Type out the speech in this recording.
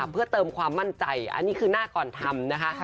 เพื่อเติมความมั่นใจอันนี้คือหน้าก่อนทำนะคะ